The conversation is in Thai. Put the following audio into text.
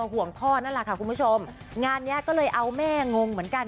ห่วงพ่อนั่นแหละค่ะคุณผู้ชมงานเนี้ยก็เลยเอาแม่งงเหมือนกัน